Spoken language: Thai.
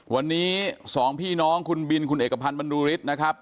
วันนี้สองพี่น้องคุณบินคุณเอกพันธ์บรรลือฤทธิ์นะครับ